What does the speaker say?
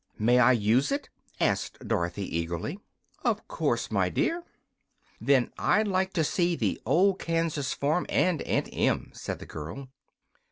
"May I use it?" asked Dorothy, eagerly. "Of course, my dear." "Then I'd like to see the old Kansas farm, and Aunt Em," said the girl.